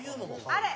あれ！